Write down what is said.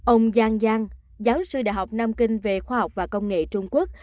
ông giang giang giáo sư đại học nam kinh về khoa học và công nghệ trung quốc